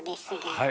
はい。